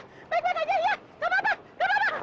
baik baik saja baik baik saja iya gak apa apa gak apa apa